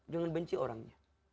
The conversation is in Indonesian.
jangan benci orangnya